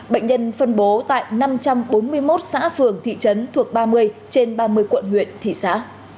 bệnh nhân phân bố tại năm trăm bốn mươi một xã phường thị trấn thuộc ba mươi trên ba mươi quận huyện thị xã